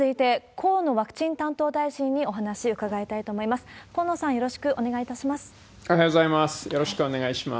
河野さん、よろしくお願いいたします。